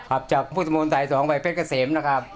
ขับจากผู้สมนตร์สายสองภัยเพชรเกษมนะครับ